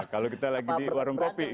kalau kita lagi di warung kopi